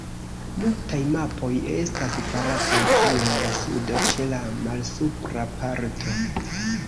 Multaj mapoj estas farataj kiel la sudo ĉe la malsupra parto.